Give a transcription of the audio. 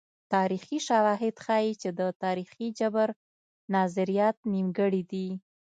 تاریخي شواهد ښيي چې د تاریخي جبر نظریات نیمګړي دي.